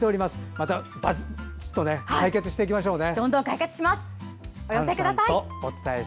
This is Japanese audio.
また、ばしっと解決していきましょうね。